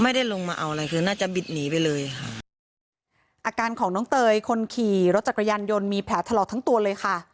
ไม่ได้ลงมาเอาอะไรคือน่าจะบิดหนีไปเลยค่ะอาการของน้องเตยคนขี่รถจักรยานยนต์มีแผลถลอกทั้งตัวเลยค่ะ